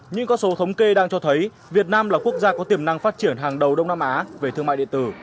những con số thống kê đang cho thấy việt nam là quốc gia có tiềm năng phát triển hàng đầu đông nam á về thương mại điện tử